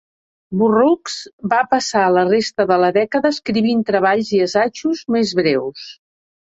Burroughs va passar la resta de la dècada escrivint treballs i assajos més breus.